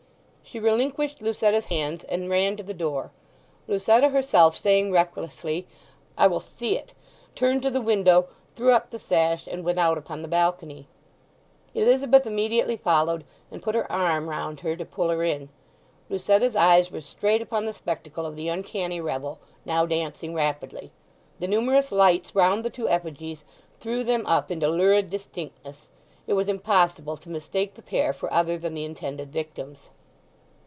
She relinquished Lucetta's hands, and ran to the door. Lucetta herself, saying recklessly "I will see it!" turned to the window, threw up the sash, and went out upon the balcony. Elizabeth immediately followed, and put her arm round her to pull her in. Lucetta's eyes were straight upon the spectacle of the uncanny revel, now dancing rapidly. The numerous lights round the two effigies threw them up into lurid distinctness; it was impossible to mistake the pair for other than the intended victims.